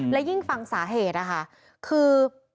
และยิ่งฟังสาเหตุคือ